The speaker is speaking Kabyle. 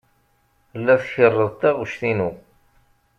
La tkerreḍ taɣect-inu.